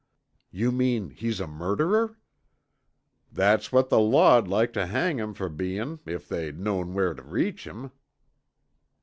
"You mean he's a murderer?" "That's what the law'd like tuh hang him fer bein' if they knowed where tuh reach him."